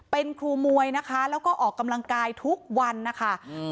เป็นครูมวยนะคะแล้วก็ออกกำลังกายทุกวันนะคะอืม